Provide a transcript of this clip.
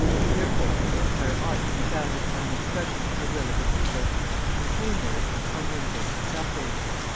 Therefore an empire ought to be founded on an expression of the will of the people, in plain words, on universal suffrage.